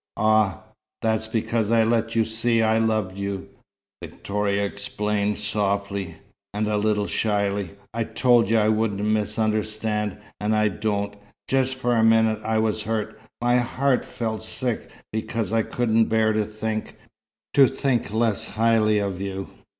"Ah, that's because I let you see I loved you," Victoria explained softly, and a little shyly. "I told you I wouldn't misunderstand, and I don't. Just for a minute I was hurt my heart felt sick, because I couldn't bear to think to think less highly of you.